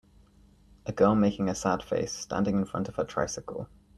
A girl making a sad face standing in front of her tricycle